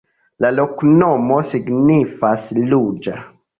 La loknomo signifas: ruĝa.